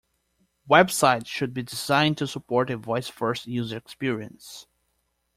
Websites should be designed to support a voice first user experience.